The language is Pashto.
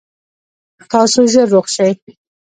تاسو ژر روغ شئ